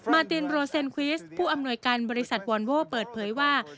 ตินโรเซนควิสผู้อำนวยการบริษัทวอนโว้เปิดเผยว่า